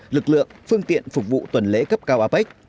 lực lượng phương tiện phục vụ tuần lễ cấp cao apec